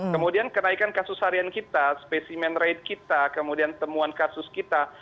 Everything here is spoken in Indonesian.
kemudian kenaikan kasus harian kita spesimen rate kita kemudian temuan kasus kita